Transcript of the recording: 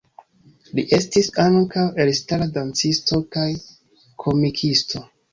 Li estis ankaŭ elstara dancisto kaj komikisto.